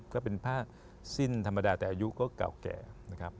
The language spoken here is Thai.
ก็เป็นผ้าสิ้นธรรมดาแต่อายุก็เก่าแก่นะครับ